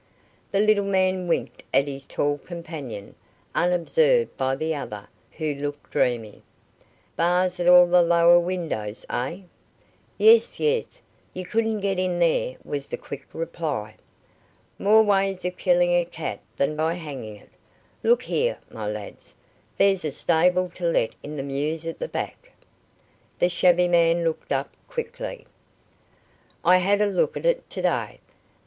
The little man winked at his tall companion, unobserved by the other, who looked dreamy. "Bars at all the lower windows, eh?" "Yes, yes. You couldn't get in there," was the quick reply. "More ways of killing a cat than by hanging it. Look here, my lads, there's a stable to let in the mews at the back." The shabby man looked up quickly. "I had a look at it to day.